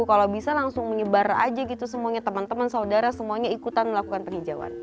kalau bisa langsung menyebar aja gitu semuanya teman teman saudara semuanya ikutan melakukan penghijauan